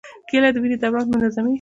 کېله د وینې دوران منظموي.